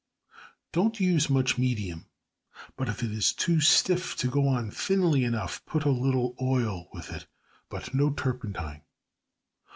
Don't use much medium, but if it is too stiff to go on thinly enough, put a little oil with it, but no turpentine.